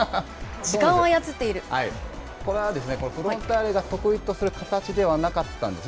これはですねフロンターレが得意とする形ではなかったんですね。